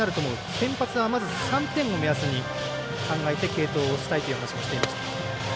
先発はまず３点を目安に考えて継投をしたいという話をしていました。